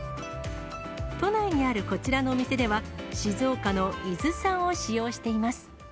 都内にあるこちらのお店では、静岡の伊豆産を使用しています。